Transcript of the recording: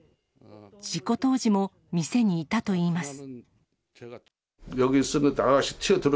事故当時も店にいたといいます。